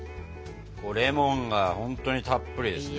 レモンがほんとにたっぷりですね。